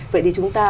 vậy thì chúng ta